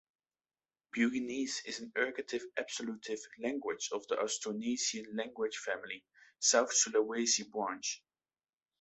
Buginese is an ergative-absolutive language of the Austronesian language family, South Sulawesi branch.